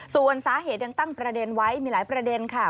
ส่วนสาเหตุยังตั้งประเด็นไว้มีหลายประเด็นค่ะ